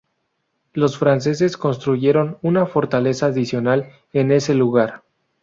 Los franceses construyeron una fortaleza adicional en ese lugar.